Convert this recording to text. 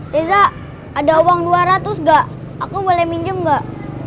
reza ada uang rp dua ratus gak aku boleh minjem gak